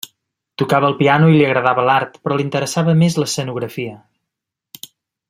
Tocava el piano i li agradava l'art però l'interessava més l'escenografia.